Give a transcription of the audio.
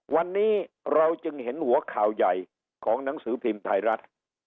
วันนี้เราจึงเห็นหัวข่าวใหญ่ของหนังสือพิมพ์ไทยรัฐ